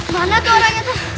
mana tuh orangnya tuh